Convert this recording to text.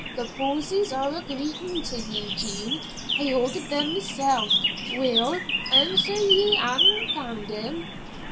"The posies are a greetin' to ye, Jean; I ordered them mysel'. Weel? An' so ye ha'na' found him?"